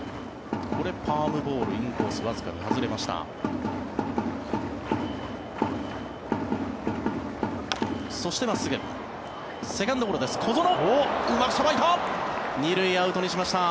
これ、パームボールインコースわずかに外れました。